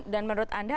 dan menurut anda